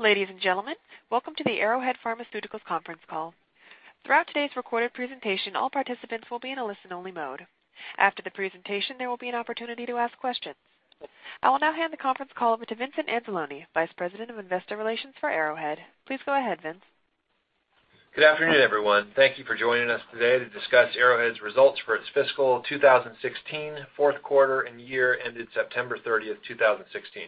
Ladies and gentlemen, welcome to the Arrowhead Pharmaceuticals conference call. Throughout today's recorded presentation, all participants will be in a listen-only mode. After the presentation, there will be an opportunity to ask questions. I will now hand the conference call over to Vincent Anzalone, Vice President of Investor Relations for Arrowhead. Please go ahead, Vince. Good afternoon, everyone. Thank you for joining us today to discuss Arrowhead's results for its fiscal 2016 fourth quarter and year ended September 30th, 2016.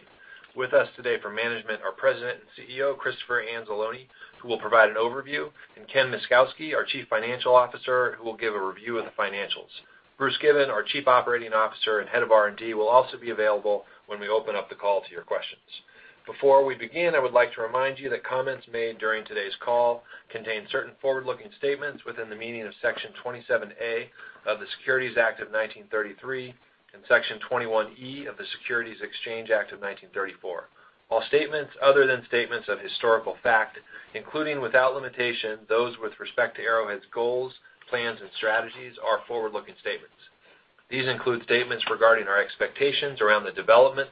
With us today for management are President and CEO, Christopher Anzalone, who will provide an overview, and Ken Myszkowski, our Chief Financial Officer, who will give a review of the financials. Bruce Given, our Chief Operating Officer and Head of R&D, will also be available when we open up the call to your questions. Before we begin, I would like to remind you that comments made during today's call contain certain forward-looking statements within the meaning of Section 27A of the Securities Act of 1933 and Section 21E of the Securities Exchange Act of 1934. All statements other than statements of historical fact, including, without limitation, those with respect to Arrowhead's goals, plans and strategies are forward-looking statements. These include statements regarding our expectations around the development,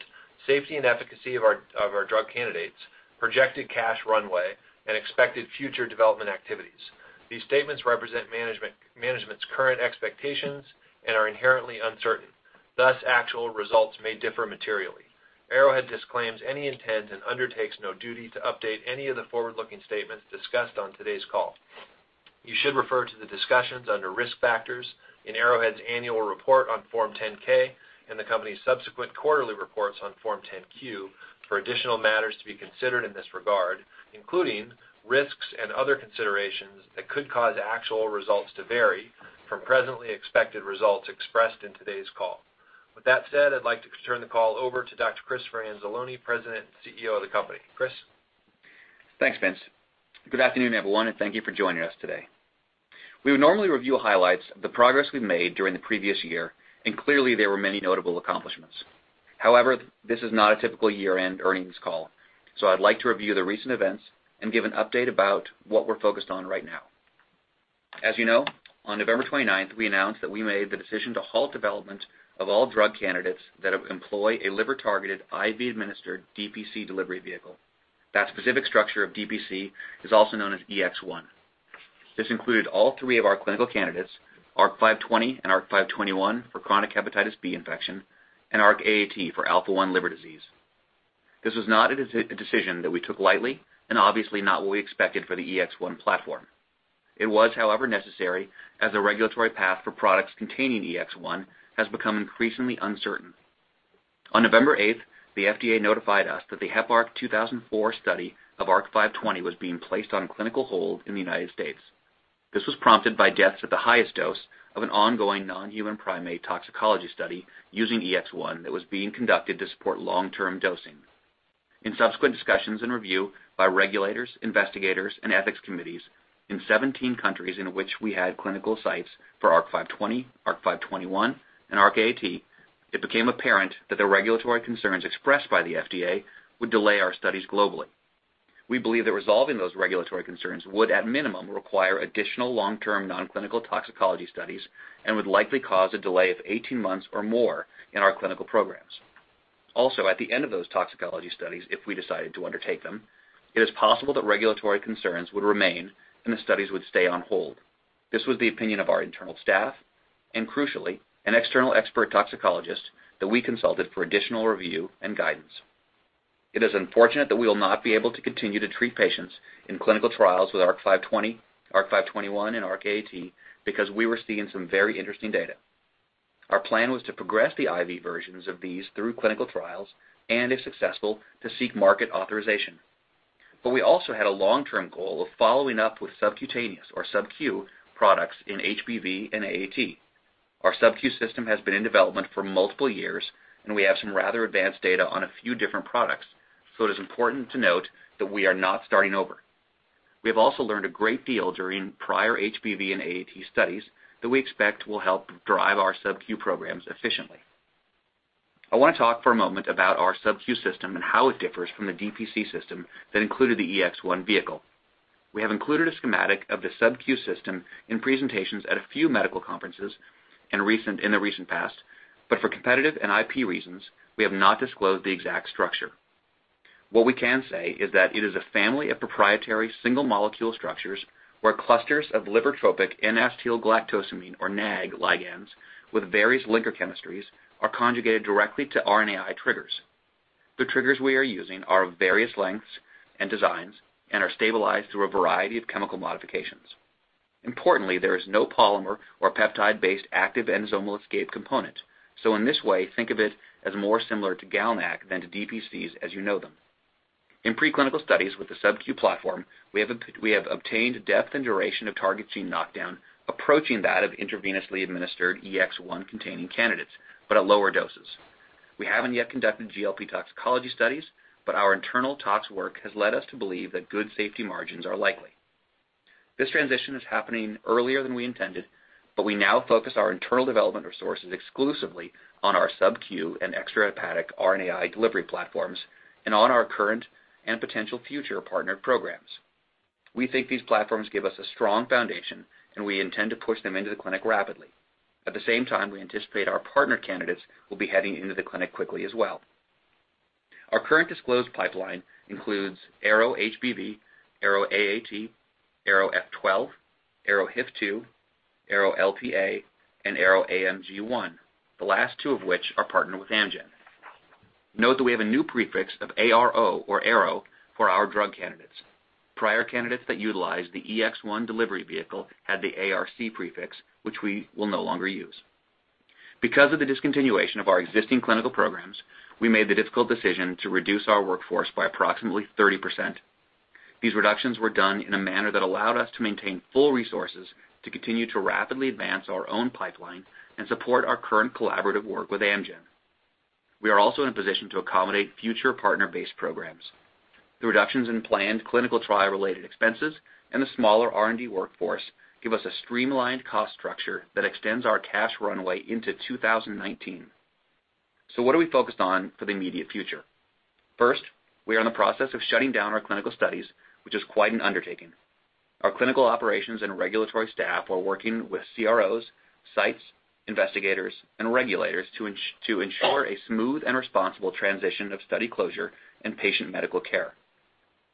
safety and efficacy of our drug candidates, projected cash runway, and expected future development activities. These statements represent management's current expectations and are inherently uncertain, thus actual results may differ materially. Arrowhead disclaims any intent and undertakes no duty to update any of the forward-looking statements discussed on today's call. You should refer to the discussions under Risk Factors in Arrowhead's annual report on Form 10-K and the company's subsequent quarterly reports on Form 10-Q for additional matters to be considered in this regard, including risks and other considerations that could cause actual results to vary from presently expected results expressed in today's call. With that said, I'd like to turn the call over to Dr. Christopher Anzalone, President and CEO of the company. Chris? Thanks, Vince. Good afternoon, everyone, and thank you for joining us today. We would normally review highlights of the progress we've made during the previous year, and clearly there were many notable accomplishments. However, this is not a typical year-end earnings call, so I'd like to review the recent events and give an update about what we're focused on right now. As you know, on November 29th, we announced that we made the decision to halt development of all drug candidates that employ a liver-targeted IV-administered DPC delivery vehicle. That specific structure of DPC is also known as EX1. This included all three of our clinical candidates, ARC-520 and ARC-521 for chronic hepatitis B infection, and ARC-AAT for alpha-1 liver disease. This was not a decision that we took lightly and obviously not what we expected for the EX1 platform. It was, however, necessary, as the regulatory path for products containing EX1 has become increasingly uncertain. On November 8th, the FDA notified us that the Heparc-2004 study of ARC-520 was being placed on clinical hold in the U.S. This was prompted by deaths at the highest dose of an ongoing non-human primate toxicology study using EX1 that was being conducted to support long-term dosing. In subsequent discussions and review by regulators, investigators, and ethics committees in 17 countries in which we had clinical sites for ARC-520, ARC-521, and ARC-AAT, it became apparent that the regulatory concerns expressed by the FDA would delay our studies globally. We believe that resolving those regulatory concerns would, at minimum, require additional long-term non-clinical toxicology studies and would likely cause a delay of 18 months or more in our clinical programs. At the end of those toxicology studies, if we decided to undertake them, it is possible that regulatory concerns would remain and the studies would stay on hold. This was the opinion of our internal staff and, crucially, an external expert toxicologist that we consulted for additional review and guidance. It is unfortunate that we will not be able to continue to treat patients in clinical trials with ARC-520, ARC-521 and ARC-AAT because we were seeing some very interesting data. Our plan was to progress the IV versions of these through clinical trials, and if successful, to seek market authorization. We also had a long-term goal of following up with subcutaneous or subQ products in HBV and AAT. Our subQ system has been in development for multiple years, and we have some rather advanced data on a few different products, so it is important to note that we are not starting over. We have also learned a great deal during prior HBV and AAT studies that we expect will help drive our subQ programs efficiently. I want to talk for a moment about our subQ system and how it differs from the DPC system that included the EX1 vehicle. We have included a schematic of the subQ system in presentations at a few medical conferences in the recent past, but for competitive and IP reasons, we have not disclosed the exact structure. What we can say is that it is a family of proprietary single molecule structures where clusters of liver tropic N-acetylgalactosamine or NAG ligands with various linker chemistries are conjugated directly to RNAi triggers. The triggers we are using are of various lengths and designs and are stabilized through a variety of chemical modifications. Importantly, there is no polymer or peptide-based active endosomal escape component. In this way, think of it as more similar to GalNAc than to DPCs as you know them. In pre-clinical studies with the subQ platform, we have obtained depth and duration of target gene knockdown approaching that of intravenously administered EX1-containing candidates, but at lower doses. We haven't yet conducted GLP toxicology studies, but our internal tox work has led us to believe that good safety margins are likely. This transition is happening earlier than we intended, we now focus our internal development resources exclusively on our subQ and extrahepatic RNAi delivery platforms and on our current and potential future partnered programs. We think these platforms give us a strong foundation. We intend to push them into the clinic rapidly. At the same time, we anticipate our partner candidates will be heading into the clinic quickly as well. Our current disclosed pipeline includes ARO-HBV, ARO-AAT, ARO-F12, ARO-HIF2, ARO-LPA, and ARO-AMG1, the last two of which are partnered with Amgen. Note that we have a new prefix of ARO, or ARO, for our drug candidates. Prior candidates that utilized the EX1 delivery vehicle had the ARC prefix, which we will no longer use. Because of the discontinuation of our existing clinical programs, we made the difficult decision to reduce our workforce by approximately 30%. These reductions were done in a manner that allowed us to maintain full resources to continue to rapidly advance our own pipeline and support our current collaborative work with Amgen. We are also in a position to accommodate future partner-based programs. The reductions in planned clinical trial-related expenses and the smaller R&D workforce give us a streamlined cost structure that extends our cash runway into 2019. What are we focused on for the immediate future? First, we are in the process of shutting down our clinical studies, which is quite an undertaking. Our clinical operations and regulatory staff are working with CROs, sites, investigators, and regulators to ensure a smooth and responsible transition of study closure and patient medical care.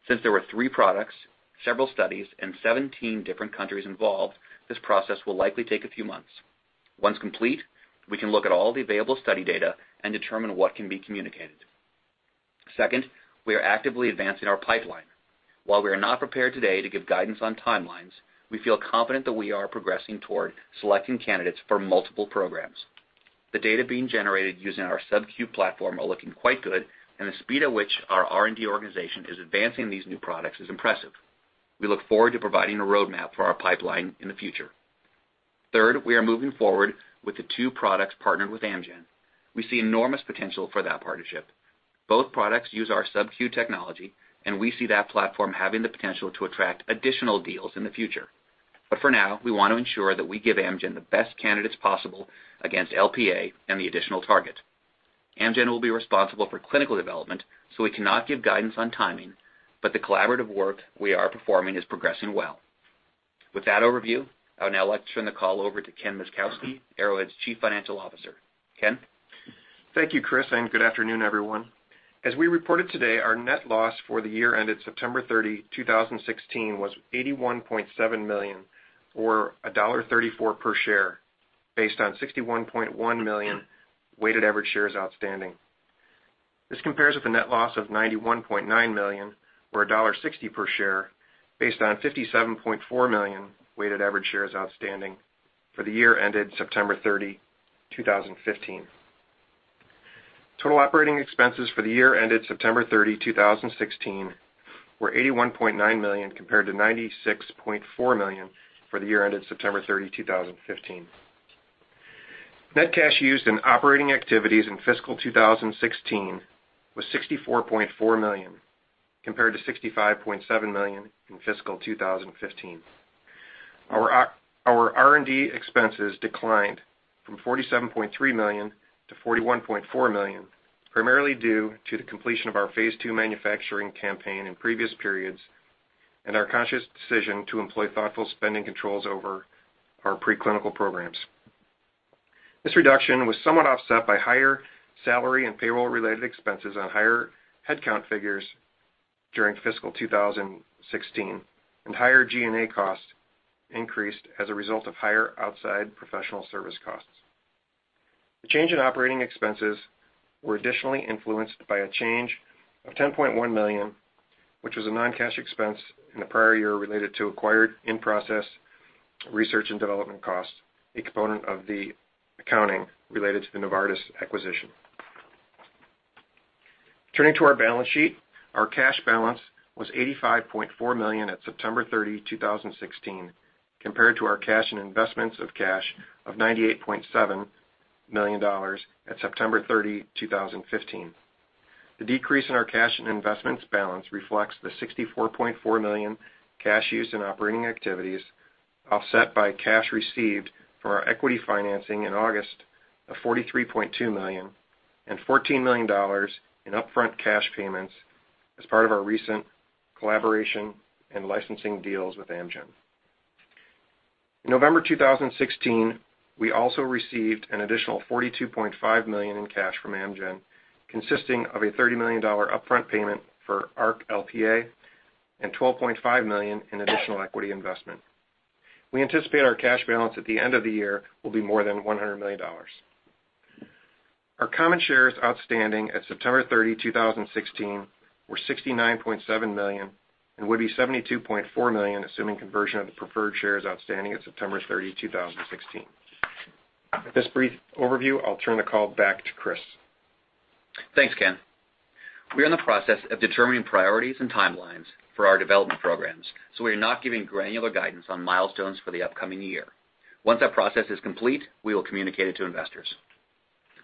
Since there were three products, several studies, and 17 different countries involved, this process will likely take a few months. Once complete, we can look at all the available study data and determine what can be communicated. Second, we are actively advancing our pipeline. While we are not prepared today to give guidance on timelines, we feel confident that we are progressing toward selecting candidates for multiple programs. The data being generated using our subQ platform are looking quite good, and the speed at which our R&D organization is advancing these new products is impressive. We look forward to providing a roadmap for our pipeline in the future. Third, we are moving forward with the two products partnered with Amgen. We see enormous potential for that partnership. Both products use our subQ technology. We see that platform having the potential to attract additional deals in the future. For now, we want to ensure that we give Amgen the best candidates possible against LPA and the additional target. Amgen will be responsible for clinical development, so we cannot give guidance on timing, but the collaborative work we are performing is progressing well. With that overview, I would now like to turn the call over to Ken Myszkowski, Arrowhead's Chief Financial Officer. Ken? Thank you, Chris, and good afternoon, everyone. As we reported today, our net loss for the year ended September 30, 2016, was $81.7 million, or $1.34 per share, based on 61.1 million weighted average shares outstanding. This compares with a net loss of $91.9 million or $1.60 per share based on 57.4 million weighted average shares outstanding for the year ended September 30, 2015. Total operating expenses for the year ended September 30, 2016, were $81.9 million compared to $96.4 million for the year ended September 30, 2015. Net cash used in operating activities in fiscal 2016 was $64.4 million compared to $65.7 million in fiscal 2015. Our R&D expenses declined from $47.3 million to $41.4 million, primarily due to the completion of our phase II manufacturing campaign in previous periods and our conscious decision to employ thoughtful spending controls over our preclinical programs. This reduction was somewhat offset by higher salary and payroll-related expenses on higher headcount figures during fiscal 2016 and higher G&A costs increased as a result of higher outside professional service costs. The change in operating expenses were additionally influenced by a change of $10.1 million, which was a non-cash expense in the prior year related to acquired in-process research and development costs, a component of the accounting related to the Novartis acquisition. Turning to our balance sheet, our cash balance was $85.4 million at September 30, 2016, compared to our cash and investments of cash of $98.7 million at September 30, 2015. The decrease in our cash and investments balance reflects the $64.4 million cash used in operating activities, offset by cash received from our equity financing in August of $43.2 million and $14 million in upfront cash payments as part of our recent collaboration and licensing deals with Amgen. In November 2016, we also received an additional $42.5 million in cash from Amgen, consisting of a $30 million upfront payment for ARC-LPA and $12.5 million in additional equity investment. We anticipate our cash balance at the end of the year will be more than $100 million. Our common shares outstanding at September 30, 2016, were 69.7 million and would be 72.4 million, assuming conversion of the preferred shares outstanding at September 30, 2016. With this brief overview, I'll turn the call back to Chris. Thanks, Ken. We are in the process of determining priorities and timelines for our development programs, we are not giving granular guidance on milestones for the upcoming year. Once that process is complete, we will communicate it to investors.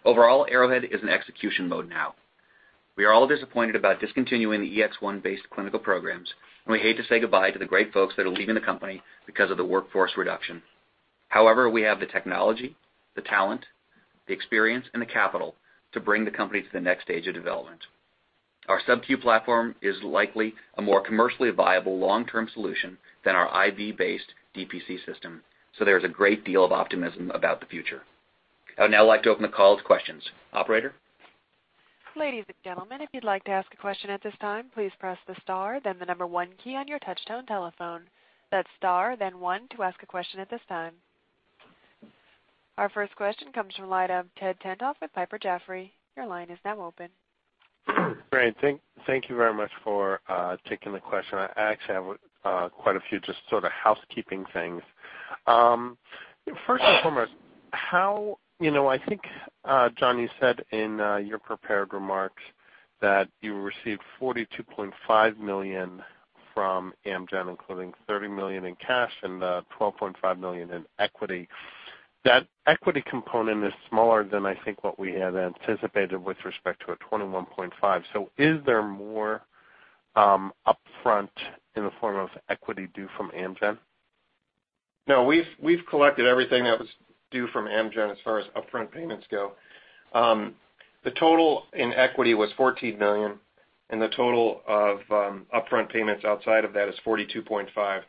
Overall, Arrowhead is in execution mode now. We are all disappointed about discontinuing the EX1-based clinical programs, we hate to say goodbye to the great folks that are leaving the company because of the workforce reduction. However, we have the technology, the talent, the experience, and the capital to bring the company to the next stage of development. Our sub-Q platform is likely a more commercially viable long-term solution than our IV-based DPC system. There is a great deal of optimism about the future. I would now like to open the call to questions. Operator? Ladies and gentlemen, if you'd like to ask a question at this time, please press the star then the number one key on your touch-tone telephone. That's star then one to ask a question at this time. Our first question comes from the line of Ted Tenthoff with Piper Jaffray. Your line is now open. Great. Thank you very much for taking the question. I actually have quite a few just sort of housekeeping things. First and foremost, I think, John, you said in your prepared remarks that you received $42.5 million from Amgen, including $30 million in cash and $12.5 million in equity. That equity component is smaller than I think what we had anticipated with respect to a 21.5. Is there more upfront in the form of equity due from Amgen? No, we've collected everything that was due from Amgen as far as upfront payments go. The total in equity was $14 million, and the total of upfront payments outside of that is $42.5.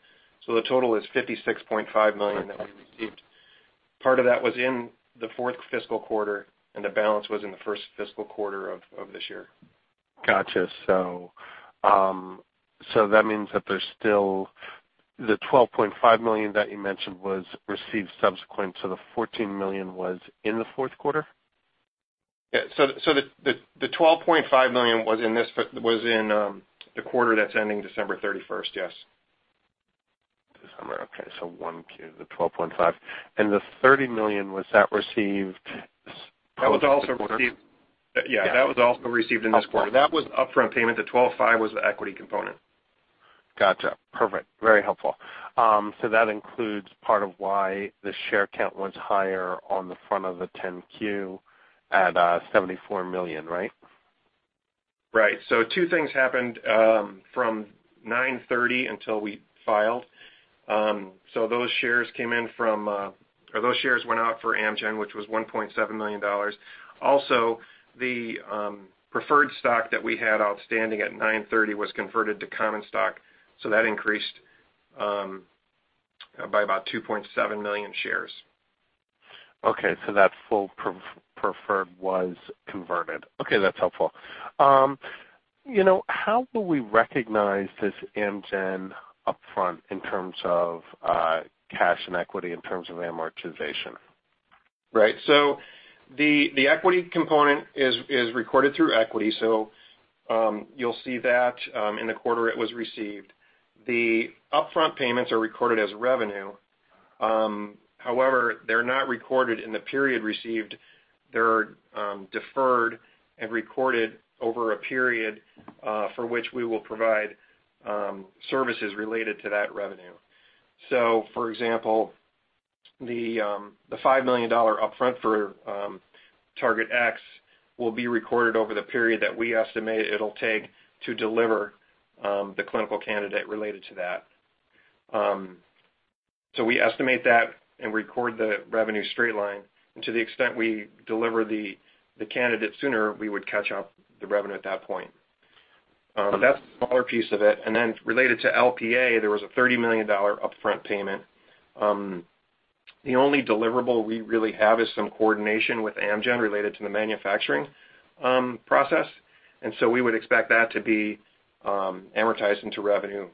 The total is $56.5 million that we received. Part of that was in the fourth fiscal quarter, and the balance was in the first fiscal quarter of this year. Got you. That means that there's still the $12.5 million that you mentioned was received subsequent to the $14 million was in the fourth quarter? Yeah. The $12.5 million was in the quarter that's ending December 31st. Yes. December. Okay. 1 Q, the $12.5. The $30 million, was that received? That was also received in this quarter. That was upfront payment. The $12.5 was the equity component. Got you. Perfect. Very helpful. That includes part of why the share count was higher on the front of the 10-Q at $74 million, right? Right. Two things happened from 9/30 until we filed. Those shares went out for Amgen, which was $1.7 million. Also, the preferred stock that we had outstanding at 9/30 was converted to common stock, that increased by about 2.7 million shares. Okay, that full preferred was converted. Okay, that's helpful. How will we recognize this Amgen upfront in terms of cash and equity in terms of amortization? Right. The equity component is recorded through equity, you'll see that in the quarter it was received. The upfront payments are recorded as revenue. However, they're not recorded in the period received. They're deferred and recorded over a period for which we will provide services related to that revenue. For example, the $5 million upfront for Target X will be recorded over the period that we estimate it'll take to deliver the clinical candidate related to that. We estimate that and record the revenue straight line, and to the extent we deliver the candidate sooner, we would catch up the revenue at that point. That's the smaller piece of it. Related to LPA, there was a $30 million upfront payment. The only deliverable we really have is some coordination with Amgen related to the manufacturing process, we would expect that to be amortized into revenue.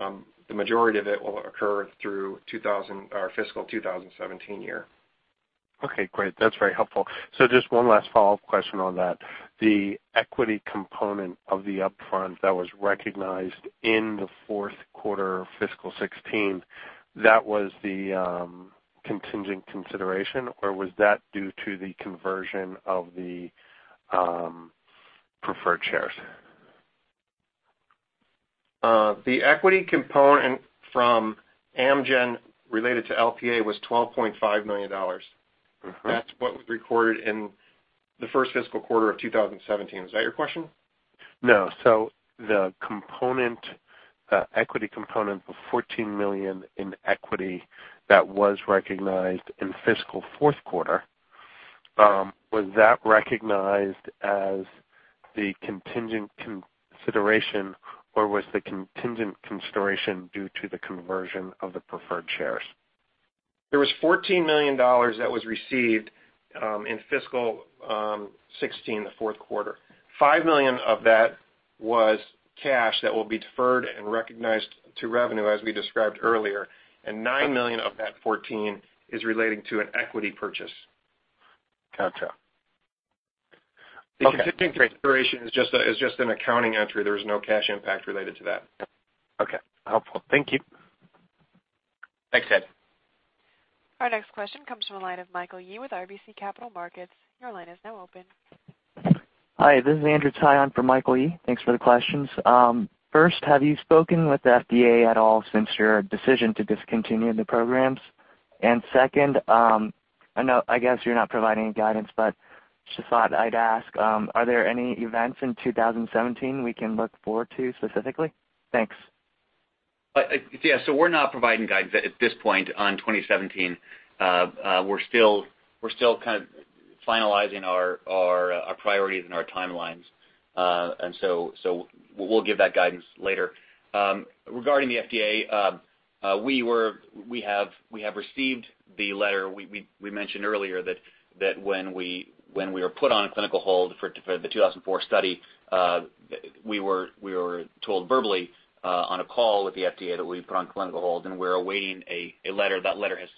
The majority of it will occur through our fiscal 2017 year. Okay, great. That's very helpful. Just one last follow-up question on that. The equity component of the upfront that was recognized in the fourth quarter of fiscal 2016, that was the contingent consideration, or was that due to the conversion of the preferred shares? The equity component from Amgen related to LPA was $12.5 million. That's what was recorded in the first fiscal quarter of 2017. Is that your question? No. The equity component of $14 million in equity that was recognized in fiscal fourth quarter, was that recognized as the contingent consideration, or was the contingent consideration due to the conversion of the preferred shares? There was $14 million that was received in fiscal 2016, the fourth quarter. $5 million of that was cash that will be deferred and recognized to revenue as we described earlier, $9 million of that 14 is relating to an equity purchase. Got you. Okay, great. The contingent consideration is just an accounting entry. There's no cash impact related to that. Okay. Helpful. Thank you. Thanks, Ted. Our next question comes from the line of Michael Yee with RBC Capital Markets. Your line is now open. Hi, this is Andrew Tsai for Michael Yee. Thanks for the questions. First, have you spoken with FDA at all since your decision to discontinue the programs? Second, I know I guess you're not providing any guidance, but just thought I'd ask, are there any events in 2017 we can look forward to specifically? Thanks. Yeah. We're not providing guidance at this point on 2017. We're still finalizing our priorities and our timelines. We'll give that guidance later. Regarding the FDA, we have received the letter. We mentioned earlier that when we were put on a clinical hold for the 2004 study, we were told verbally on a call with the FDA that we were put on clinical hold, and we're awaiting a letter. That letter has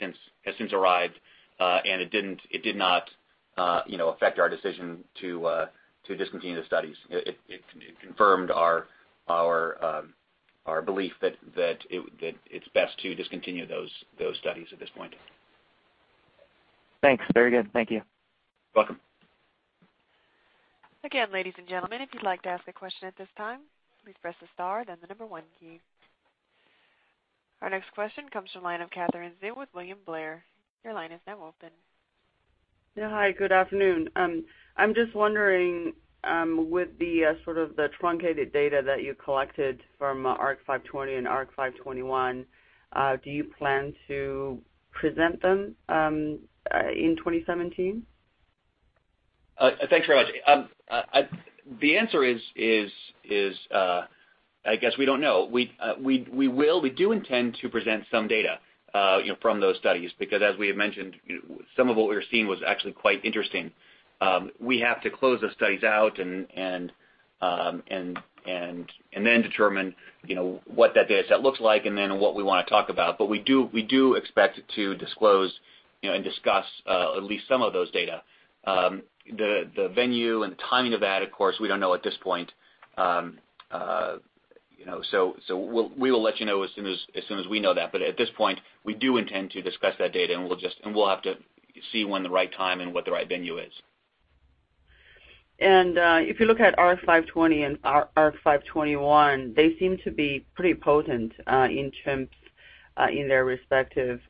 since arrived, and it did not affect our decision to discontinue the studies. It confirmed our belief that it's best to discontinue those studies at this point. Thanks. Very good. Thank you. Welcome. Again, ladies and gentlemen, if you'd like to ask a question at this time, please press the star, then the number 1 key. Our next question comes from the line of Katherine Xu with William Blair. Your line is now open. Yeah. Hi, good afternoon. I'm just wondering, with the truncated data that you collected from ARC-520 and ARC-521, do you plan to present them in 2017? Thanks very much. The answer is, I guess we don't know. We do intend to present some data from those studies, because as we had mentioned, some of what we were seeing was actually quite interesting. We have to close those studies out and then determine what that dataset looks like and then what we want to talk about. We do expect to disclose and discuss at least some of those data. The venue and the timing of that, of course, we don't know at this point. We will let you know as soon as we know that. At this point, we do intend to discuss that data, and we'll have to see when the right time and what the right venue is. If you look at ARC-520 and ARC-521, they seem to be pretty potent in chimps in their respective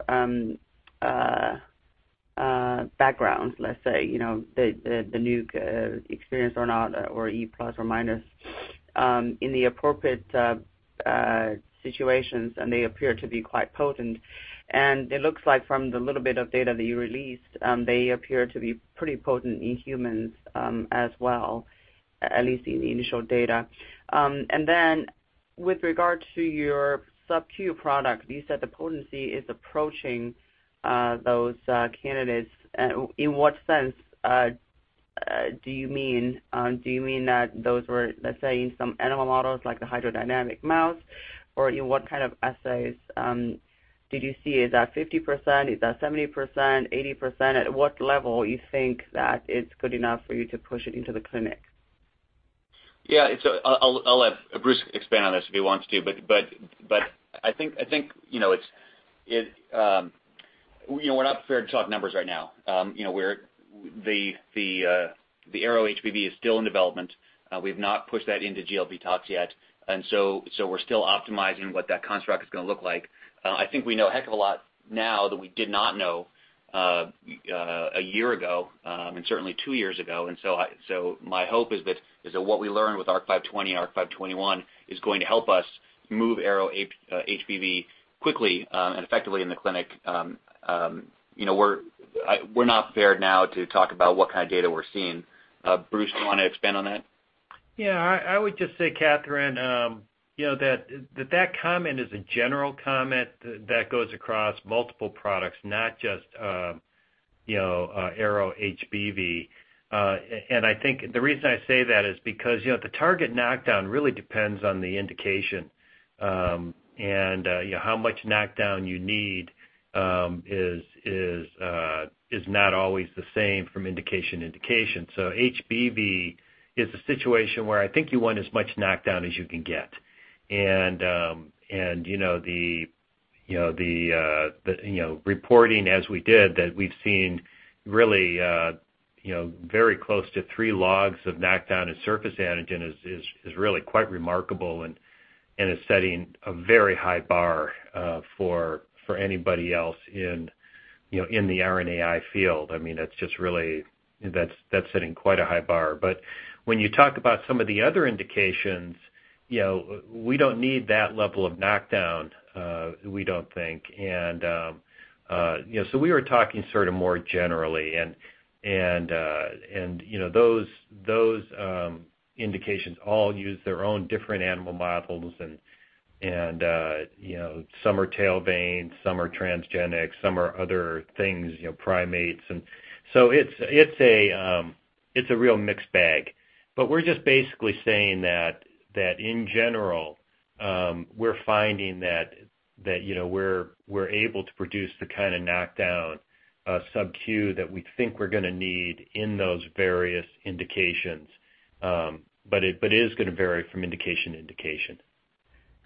backgrounds, let's say, the nuke experience or not, or E plus or minus, in the appropriate situations, and they appear to be quite potent. It looks like from the little bit of data that you released, they appear to be pretty potent in humans as well, at least in the initial data. With regard to your sub-Q product, you said the potency is approaching those candidates. In what sense do you mean? Do you mean that those were, let's say, in some animal models like the hydrodynamic mouse, or in what kind of assays did you see? Is that 50%? Is that 70%, 80%? At what level you think that it's good enough for you to push it into the clinic? Yeah. I'll let Bruce expand on this if he wants to, I think we're not prepared to talk numbers right now. The ARO-HBV is still in development. We've not pushed that into GLP Tox yet, we're still optimizing what that construct is going to look like. I think we know a heck of a lot now that we did not know a year ago, and certainly two years ago. My hope is that what we learn with ARC-520, ARC-521 is going to help us move ARO-HBV quickly and effectively in the clinic. We're not prepared now to talk about what kind of data we're seeing. Bruce, do you want to expand on that? Yeah, I would just say, Katherine, that comment is a general comment that goes across multiple products, not just ARO-HBV. I think the reason I say that is because the target knockdown really depends on the indication, and how much knockdown you need is not always the same from indication to indication. HBV is a situation where I think you want as much knockdown as you can get. The reporting as we did, that we've seen really very close to three logs of knockdown in surface antigen is really quite remarkable and is setting a very high bar for anybody else in the RNAi field. That's setting quite a high bar. When you talk about some of the other indications, we don't need that level of knockdown, we don't think. We were talking more generally, and those indications all use their own different animal models. Some are tail vein, some are transgenic, some are other things, primates. It's a real mixed bag. We're just basically saying that in general, we're finding that we're able to produce the kind of knockdown sub-Q that we think we're going to need in those various indications. It is going to vary from indication to indication.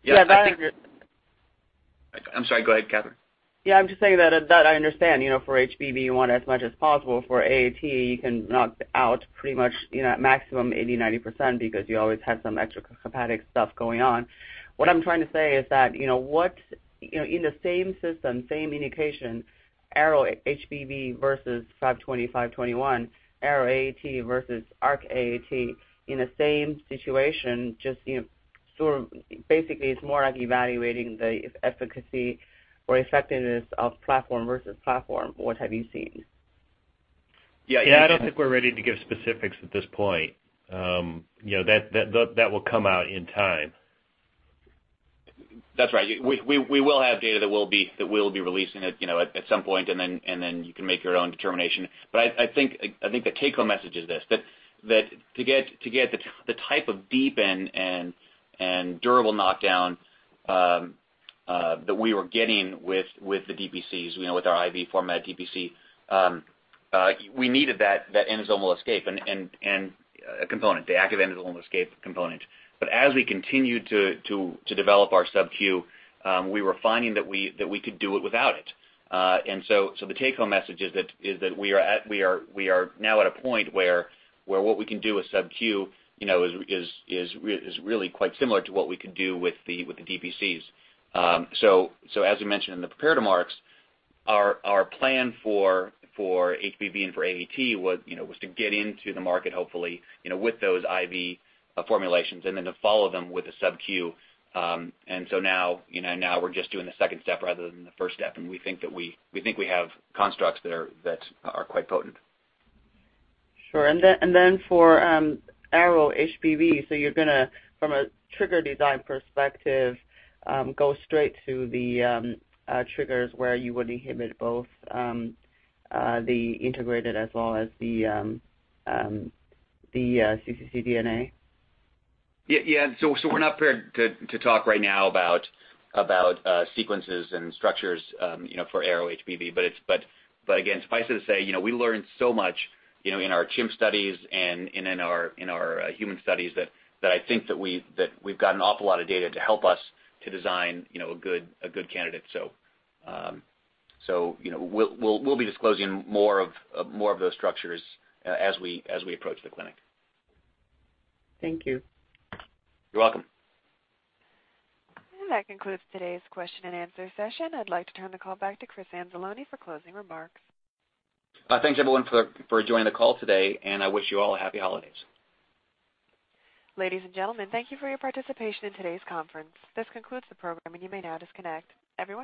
Yeah. Yeah, that I agree. I'm sorry. Go ahead, Katherine. Yeah, I'm just saying that I understand. For HBV, you want as much as possible. For AAT, you can knock out pretty much at maximum 80%, 90% because you always have some extrahepatic stuff going on. What I'm trying to say is that, in the same system, same indication, ARO-HBV versus 520, 521, ARO-AAT versus ARC-AAT in the same situation. Sure. Basically, it's more like evaluating the efficacy or effectiveness of platform versus platform. What have you seen? Yeah, I don't think we're ready to give specifics at this point. That will come out in time. That's right. We will have data that we'll be releasing at some point, and then you can make your own determination. I think the take-home message is this, that to get the type of deep and durable knockdown that we were getting with the DPCs, with our IV format DPC, we needed that endosomal escape component, the active endosomal escape component. As we continued to develop our subQ, we were finding that we could do it without it. The take-home message is that we are now at a point where what we can do with subQ is really quite similar to what we could do with the DPCs. As we mentioned in the prepared remarks, our plan for HBV and for AAT was to get into the market, hopefully, with those IV formulations and then to follow them with a subQ. Now, we're just doing the second step rather than the first step, and we think we have constructs that are quite potent. Sure. For ARO-HBV, so you're going to, from a trigger design perspective, go straight to the triggers where you would inhibit both the integrated as well as the cccDNA? Yeah. We're not prepared to talk right now about sequences and structures for ARO-HBV. Again, suffice it to say, we learned so much in our chimp studies and in our human studies that I think that we've got an awful lot of data to help us to design a good candidate. We'll be disclosing more of those structures as we approach the clinic. Thank you. You're welcome. That concludes today's question and answer session. I'd like to turn the call back to Chris Anzalone for closing remarks. Thanks, everyone, for joining the call today. I wish you all a happy holidays. Ladies and gentlemen, thank you for your participation in today's conference. This concludes the program. You may now disconnect.